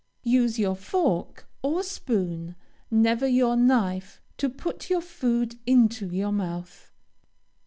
Use your fork, or spoon, never your knife, to put your food into your mouth.